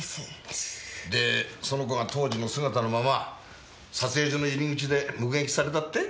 でその子が当時の姿のまま撮影所の入り口で目撃されたって？